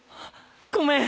ごめん！